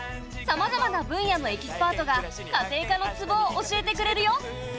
さまざまな分野のエキスパートが家庭科のツボを教えてくれるよ。